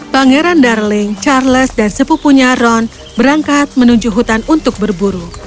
pangeran darling charles dan sepupunya ron berangkat menuju hutan untuk berburu